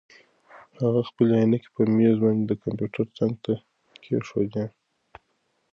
هغه خپلې عینکې په مېز باندې د کمپیوټر څنګ ته کېښودې.